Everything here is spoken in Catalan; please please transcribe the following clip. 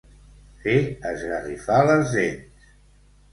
Fer esgarrifar les dents.